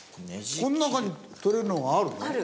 この中に取れるのがあるの？